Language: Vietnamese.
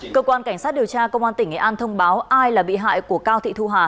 cơ quan cảnh sát điều tra công an tỉnh nghệ an thông báo ai là bị hại của cao thị thu hà